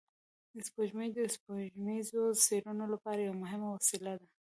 سپوږمۍ د سپوږمیزو څېړنو لپاره یوه مهمه وسیله ده